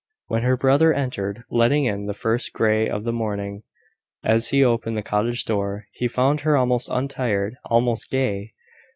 When her brother entered, letting in the first grey of the morning as he opened the cottage door, he found her almost untired, almost gay.